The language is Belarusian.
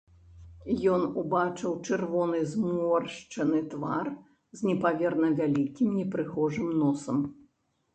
Ён убачыў чырвоны зморшчаны твар з непамерна вялікім непрыгожым носам.